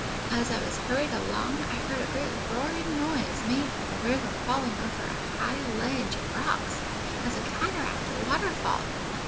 "] "As I was hurried along, I heard a great roaring noise made by the river falling over a high ledge of rocks, as a cataract or waterfall.